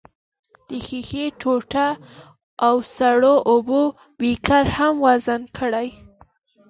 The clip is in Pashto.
د ښيښې ټوټه او سړو اوبو بیکر هم وزن کړئ.